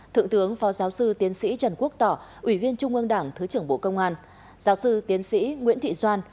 thượng tướng phó giáo sư tiến sĩ trần quốc tỏ ủy viên trung ương đảng thứ trưởng bộ công an giáo sư tiến sĩ nguyễn thị doan